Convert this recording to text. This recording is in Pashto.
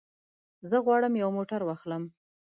زه غواړم یو موټر واخلم.